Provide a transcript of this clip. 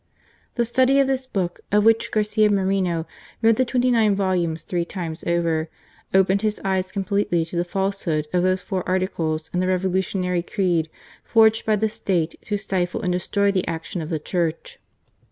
The study of this book, of which Garcia Moreno read the twenty nine volumes three times over, opened his eyes completely to the falsehood of those four articles in the revolutionary creed forged by the State to stifle and destroy the action of the Church.